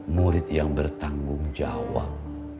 murid yang bertanggung jawab